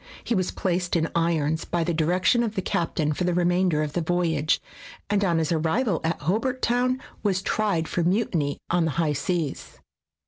He was placed in irons by the direction of the captain for the remainder of the voyage, and on his arrival at Hobart Town was tried for mutiny on the high seas.